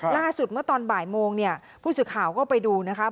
เมื่อตอนบ่ายโมงเนี่ยผู้สื่อข่าวก็ไปดูนะคะ